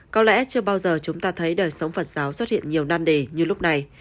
có lẽ chưa bao giờ chúng ta thấy đời sống phật giáo xuất hiện nhiều nan đề như lúc này